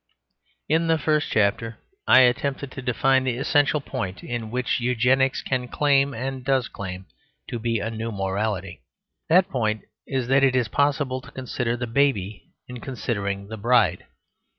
In the first chapter I attempted to define the essential point in which Eugenics can claim, and does claim, to be a new morality. That point is that it is possible to consider the baby in considering the bride.